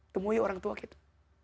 temui orang tua kita